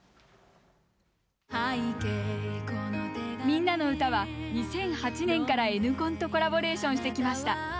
「みんなのうた」は２００８年からＮコンとコラボレーションしてきました。